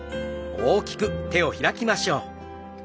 大きく手を開きましょう。